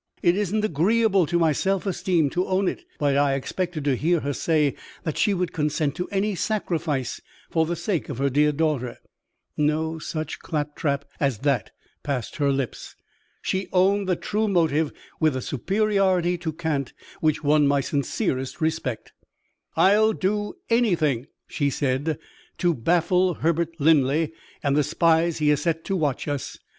It isn't agreeable to my self esteem to own it, but I expected to hear her say that she would consent to any sacrifice for the sake of her dear daughter. No such clap trap as that passed her lips. She owned the true motive with a superiority to cant which won my sincerest respect. 'I'll do anything,' she said, 'to baffle Herbert Linley and the spies he has set to watch us.